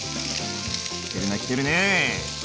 きてるねきてるね！